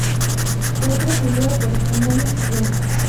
Fue precedida por "Anais Bot.